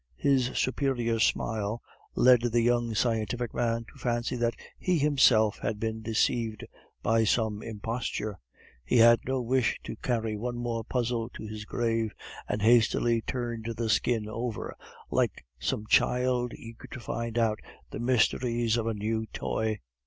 His superior smile led the young scientific man to fancy that he himself had been deceived by some imposture. He had no wish to carry one more puzzle to his grave, and hastily turned the skin over, like some child eager to find out the mysteries of a new toy.